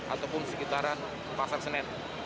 ataupun sekitaran pasar senen